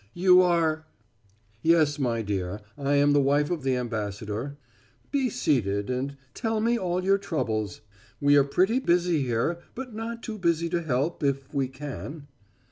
"You are " "Yes, my dear, I am the wife of the ambassador. Be seated and tell me all your troubles. We are pretty busy here, but not too busy to help if we can."